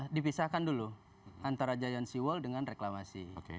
dipisahkan dulu antara jnc wall dengan reklamasi